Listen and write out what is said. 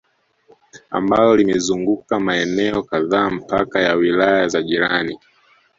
Ambalo limezunguka maeneo kadhaa mpaka ya wilaya za jirani